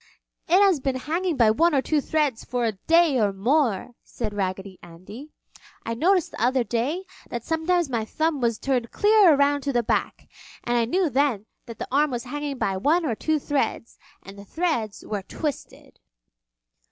"It has been hanging by one or two threads for a day or more!" said Raggedy Andy. "I noticed the other day that sometimes my thumb was turned clear around to the back, and I knew then that the arm was hanging by one or two threads and the threads were twisted."